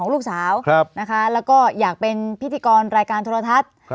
แล้วก็อยากเป็นพิธีกรรายการธรรมทัศน์